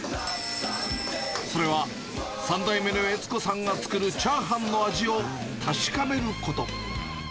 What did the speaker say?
それは、３代目の悦子さんが作るチャーハンの味を、確かめること。